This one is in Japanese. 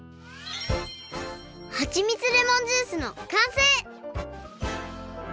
はちみつレモンジュースのかんせい！